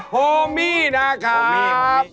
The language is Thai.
ต้องทำเป็นสามกษัตริย์นะ